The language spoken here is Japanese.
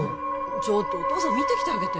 ちょっとお父さん見てきてあげて・